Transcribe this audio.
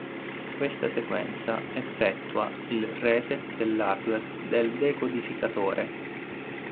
Questa sequenza effettua il "reset" dell'hardware del decodificatore.